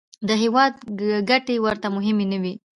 د هېواد ګټې ورته مهمې نه وې.